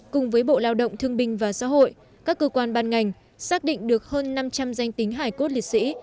cùng với bộ lao động thương binh và xã hội các cơ quan ban ngành xác định được hơn năm trăm linh danh tính hải cốt liệt sĩ